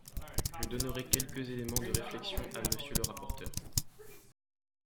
Je donnerai quelques éléments de réflexion à Monsieur le rapporteur.